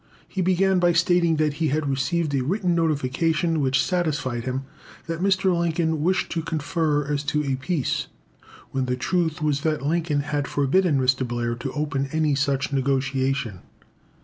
He began by stating that he had received a written notification which satisfied him that Mr. Lincoln wished to confer as to peace, when the truth was that Lincoln had forbidden Mr. Blair to open any such negotiation.